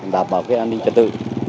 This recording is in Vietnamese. đảm bảo cái an ninh trật tự